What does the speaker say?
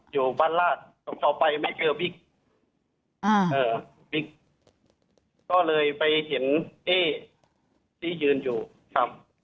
อยู่บ้านราชต่อไปไม่เจอบิ๊กอ่าเอ่อบิ๊กก็เลยไปเห็นเอ่ยที่ยืนอยู่ครับ